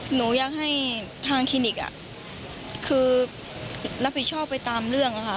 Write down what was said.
หนูอยากให้ทางคลินิกคือรับผิดชอบไปตามเรื่องค่ะ